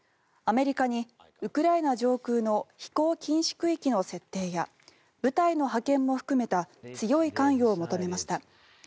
アメリカにウクライナ上空の飛行禁止区域の設定や部隊の派遣も含めた強い関与を求めました。